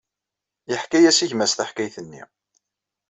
Yeḥka-as i gma-s taḥkayt-nni.